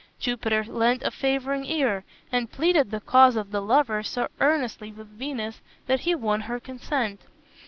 Jupiter lent a favoring ear, and pleaded the cause of the lovers so earnestly with Venus that he won her consent.